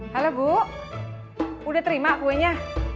halo bu udah terima kuenya